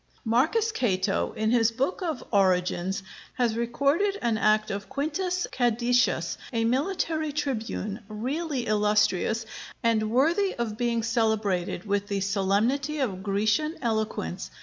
] Marcus Cato, in his book of 'Origins,' has recorded an act of Quintus Cædicius, a military tribune, really illustrious, and worthy of being celebrated with the solemnity of Grecian eloquence.